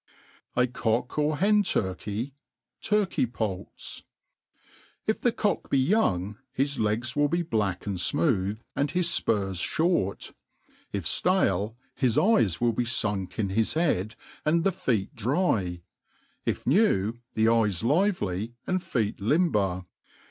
A Cock or Htn Turhf^ t9ritf'P6nUt. IF 'the cock be young, bis legs will hr black mid fmootb, and his fpurs fhorc ; if ftale, his eyes will be funk in his head, and the feet dry i if new, the eyes lively and feet limber.